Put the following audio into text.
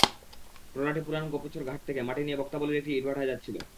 ট্রলারটি পুরান গোপচর ঘাট থেকে মাটি নিয়ে বক্তাবলীর একটি ইটভাটায় যাচ্ছিল।